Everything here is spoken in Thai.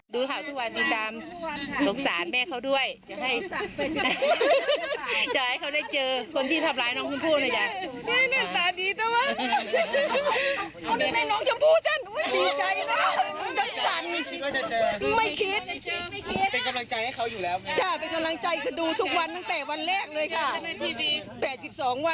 ดูทุกคนให้เจอนะคะเป็นกำลังใจให้ค่ะ